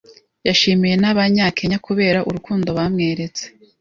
yashimiye n’abanya-Kenya kubera urukundo bamweretse